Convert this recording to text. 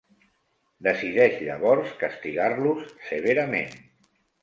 Decideix llavors castigar-los severament.